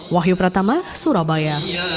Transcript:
wahyu pratama surabaya